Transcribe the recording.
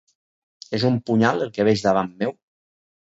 És un punyal el que veig davant meu?